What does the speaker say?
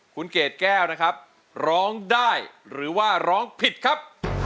คุณเกดแก้วนะครับร้องได้หรือว่าร้องผิดครับ